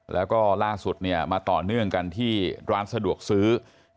แล้วก็ล่าสุดมาต่อเนื่องกันที่ร้านสะดวกซื้อ